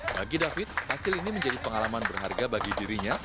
bagi david hasil ini menjadi pengalaman berharga bagi dirinya